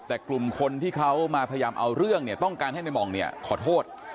แต่กลุ่มคนที่เขามาก้ังเอาเรื่องต้องการให้ในหมองนึกอ่ะขอโทษ